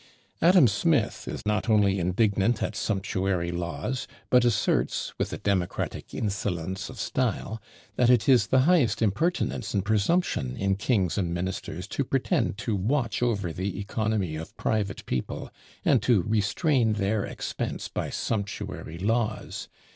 Adam Smith is not only indignant at "sumptuary laws," but asserts, with a democratic insolence of style, that "it is the highest impertinence and presumption in kings and ministers to pretend to watch over the economy of private people, and to restrain their expense by sumptuary laws.